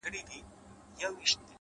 پرمختګ د ثابت قدمۍ نتیجه ده؛